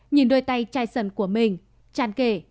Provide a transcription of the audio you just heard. nhìn đôi tay chai sần của mình chan kể